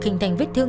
hình thành vết thương